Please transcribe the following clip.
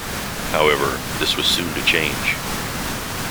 However, this was soon to change.